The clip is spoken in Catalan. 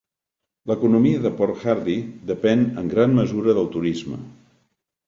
L'economia de Port Hardy depèn en gran mesura del turisme.